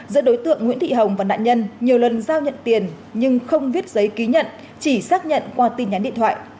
giữa đối tượng nguyễn thị hồng và nạn nhân nhiều lần giao nhận tiền nhưng không viết giấy ký nhận chỉ xác nhận qua tin nhắn điện thoại